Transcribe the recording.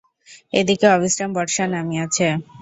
এদিকে অবিশ্রাম বর্ষা নামিয়াছে।